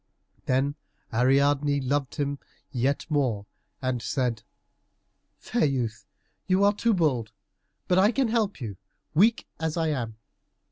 Then Ariadne loved him yet more, and said, "Fair youth, you are too bold, but I can help you, weak as I am.